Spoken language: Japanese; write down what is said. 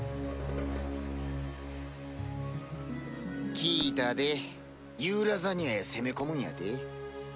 聞いたでユーラザニアへ攻め込むんやて？